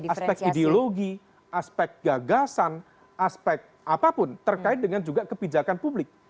aspek ideologi aspek gagasan aspek apapun terkait dengan juga kebijakan publik